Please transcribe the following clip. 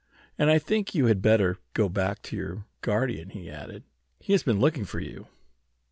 "And I think you had better go back to your guardian," he added. "He has been looking for you."